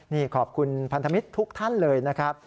นี่ขอบคุณพันธมิตรทุกท่านเลยนะครับ